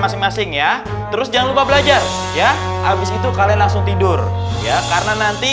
masing masing ya terus jangan lupa belajar ya abis itu kalian langsung tidur ya karena nanti